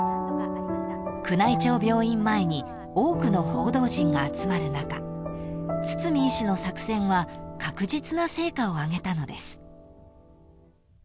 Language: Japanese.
［宮内庁病院前に多くの報道陣が集まる中堤医師の作戦は確実な成果を上げたのです］